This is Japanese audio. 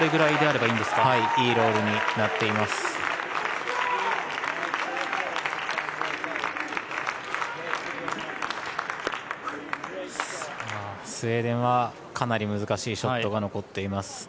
いいロールになっています。